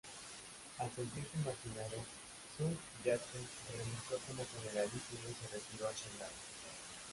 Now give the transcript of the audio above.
Al sentirse marginado, Sun Yatsen renunció como generalísimo y se retiró a Shanghái.